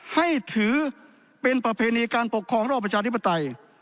ให้ถือเป็นประเพณีการปกครองรอบประชาธิปไตย